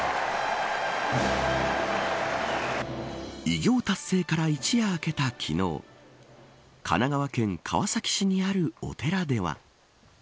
偉業達成から一夜明けた昨日神奈川県川崎市にあるお寺では。